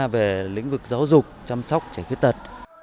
về lĩnh vực giáo dục chăm sóc trẻ khuyết tật